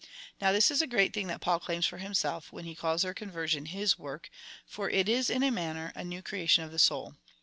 Now this is a great thing that Paul claims for himself, when he calls their conversion his work, for it is in a manner a new creation of the soul.